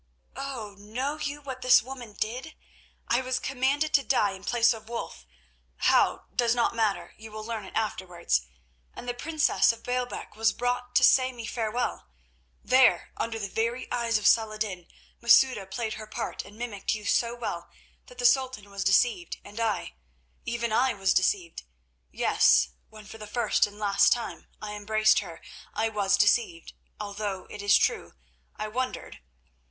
Oh! know you what this woman did? I was condemned to die in place of Wulf—how, does not matter; you will learn it afterwards—and the princess of Baalbec was brought to say me farewell. There, under the very eyes of Saladin, Masouda played her part and mimicked you so well that the Sultan was deceived, and I, even I, was deceived. Yes, when for the first and last time I embraced her, I was deceived, although, it is true, I wondered.